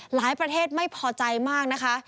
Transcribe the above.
หลายประเทศไม่พอใจมากนะคะ